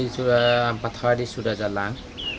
sudah empat hari sudah jalan